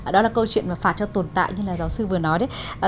đó là câu chuyện mà phạt cho tồn tại như là giáo sư vừa nói đấy